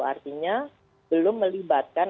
artinya belum melibatkan